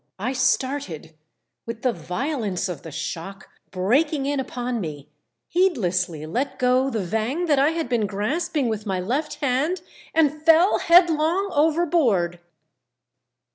I started with the violence of the shock breaking in upon me, heedlessly let go the vang that 1 had been grasping with my left hand, and fell headlong overboard.